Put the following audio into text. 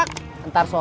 selamat tidak puasa